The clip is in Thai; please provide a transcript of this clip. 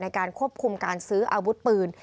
ในการควบคุมการซื้ออาวุธปืน